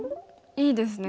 いいですね